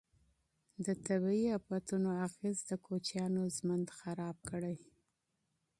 د طبیعي افتونو اغیز د کوچیانو ژوند خراب کړی.